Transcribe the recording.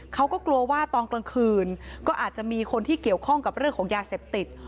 เขาก็กลัวว่าตอนกลางคืนก็อาจจะมีคนที่เกี่ยวข้องกับเรื่องของยาเสพติด